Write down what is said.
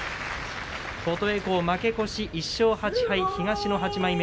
琴恵光、負け越し１勝８敗、東の８枚目。